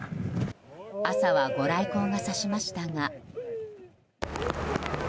朝はご来光が差しましたが。